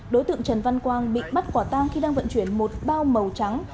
đối tượng trần văn quang bị bắt quả tang khi đang vận chuyển một bao màu trắng